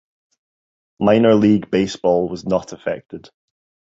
Minor League Baseball was not affected.